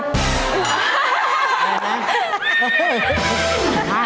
ใช่มั้ย